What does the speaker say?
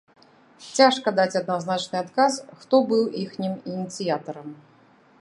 Цяжка даць адназначны адказ, хто быў іхнім ініцыятарам.